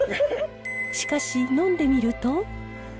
しかし飲んでみると。